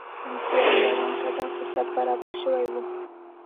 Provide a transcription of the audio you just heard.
روسي افسرانو ته دا فرصت برابر شوی وو.